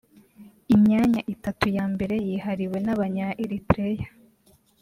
imyanya itatu ya mbere yihariwe n’abanya Eritrea